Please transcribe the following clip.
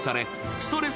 ストレス